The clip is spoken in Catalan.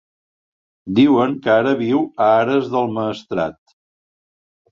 Diuen que ara viu a Ares del Maestrat.